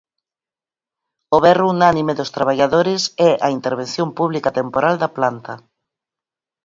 O berro unánime dos traballadores é a intervención pública temporal da planta.